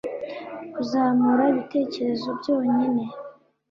Kuzamura ibitekerezo byonyine